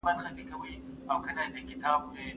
زه بايد چپنه پاک کړم؟